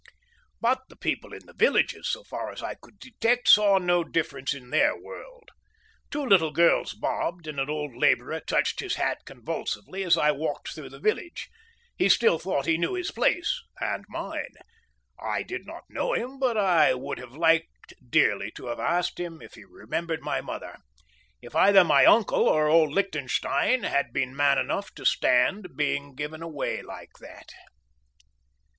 But the people in the villages, so far as I could detect, saw no difference in their world. Two little girls bobbed and an old labourer touched his hat convulsively as I walked through the village. He still thought he knew his place—and mine. I did not know him, but I would have liked dearly to have asked him if he remembered my mother, if either my uncle or old Lichtenstein had been man enough to stand being given away like that.